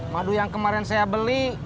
madu yang kemarin saya beli